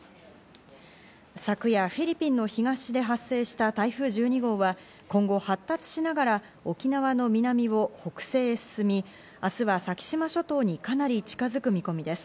昨夜、フィリピンの東で発生した台風１２号は、今後発達しながら沖縄の南を北西へ進み、明日は先島諸島にかなり近づく見込みです。